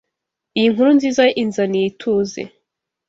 Iyi nkuru nziza inzaniye ituze